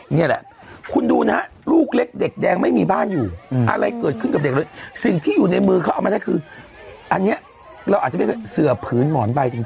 นี่แหละคุณดูนะฮะลูกเล็กเด็กแดงไม่มีบ้านอยู่อะไรเกิดขึ้นกับเด็กเลยสิ่งที่อยู่ในมือเขาเอามาได้คืออันนี้เราอาจจะไม่เคยเสือผืนหมอนใบจริง